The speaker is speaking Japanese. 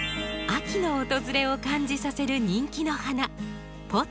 秋の訪れを感じさせる人気の花